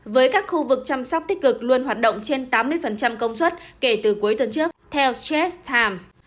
với các khu vực chăm sóc tích cực luôn hoạt động trên tám mươi công suất kể từ cuối tuần trước theo stress times